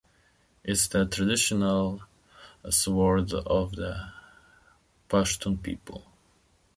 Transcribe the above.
It is the traditional sword of the Pashtun people.